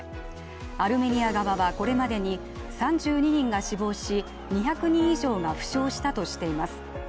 アルメニア側はこれまでに３２人が死亡し２００人以上が負傷したとしています。